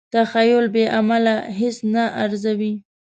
تخیل بې عمله هیڅ نه ارزوي.